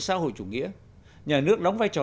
xã hội chủ nghĩa nhà nước đóng vai trò